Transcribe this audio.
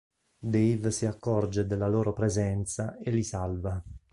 Dave si accorge della loro presenza e li salva.